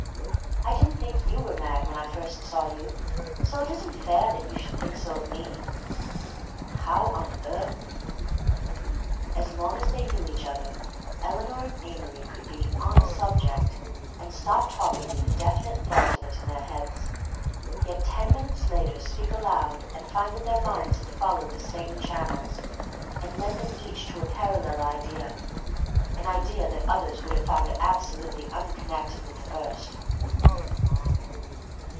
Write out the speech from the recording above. I didn't think you were mad when I first saw you, so it isn't fair that you should think so of me." "How on earth—" As long as they knew each other Eleanor and Amory could be "on a subject" and stop talking with the definite thought of it in their heads, yet ten minutes later speak aloud and find that their minds had followed the same channels and led them each to a parallel idea, an idea that others would have found absolutely unconnected with the first.